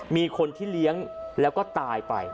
มีคนที่เลี้ยงแล้วก็ตายไป